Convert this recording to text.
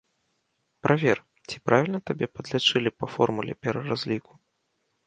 Правер, ці правільна табе падлічылі па формуле пераразліку.